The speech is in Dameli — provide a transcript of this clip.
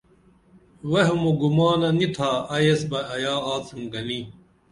وہم او گمانہ نی تھا ائی ایس بہ ایا آڅِمی گنی